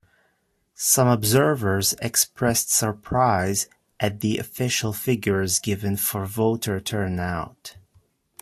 Some observers expressed surprise at the official figures given for voter turnout.